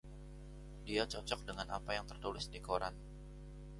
Dia cocok dengan apa yang tertulis di koran.